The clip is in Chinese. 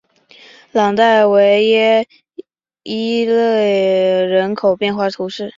朗代维耶伊勒人口变化图示